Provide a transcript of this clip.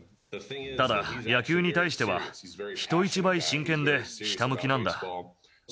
ただ野球に対しては、人一倍、真剣でひたむきなんだ。